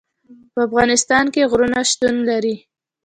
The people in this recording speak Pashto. په افغانستان کې غرونه شتون لري.